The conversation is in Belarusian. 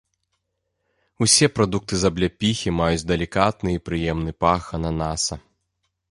Усе прадукты з абляпіхі маюць далікатны і прыемны пах ананаса.